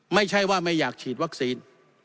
ไม่ใช่ว่าไม่อยากฉีดวัคซีน